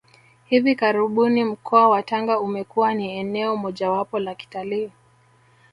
Hivi karibuni mkoa wa Tanga umekuwa ni eneo mojawapo la kitalii